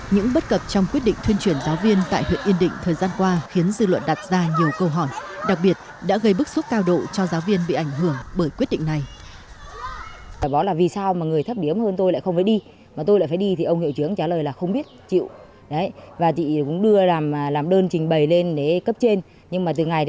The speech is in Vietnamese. những bất cập trong quyết định thuyên chuyển giáo viên tại huyện yên định thời gian qua khiến dư luận đặt ra nhiều câu hỏi đặc biệt đã gây bức xúc cao độ cho giáo viên bị ảnh hưởng bởi quyết định này